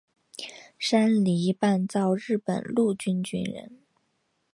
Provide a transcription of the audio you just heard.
山梨半造日本陆军军人。